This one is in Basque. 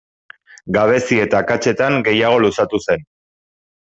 Gabezi eta akatsetan gehiago luzatu zen.